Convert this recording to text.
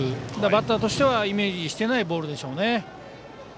バッターとしてはイメージしていないボールでしょうね。